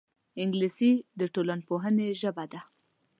انګلیسي د ټولنپوهنې ژبه ده